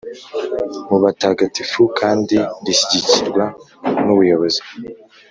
mu batagatifu kandi rishyigikirwa n’ubuyobozi